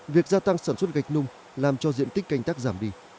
việc gia tăng sản xuất gạch nung làm cho diện tích canh tác giảm đi